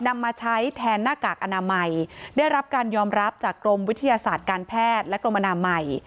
นำมาใช้แทนหน้ากากอนามัยได้รับการยอมรับจากกรมวิทยาศาสตร์การแพทย์และกรมอนามัย